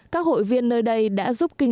các hội viên nơi đây đã giúp kinh tế gia đình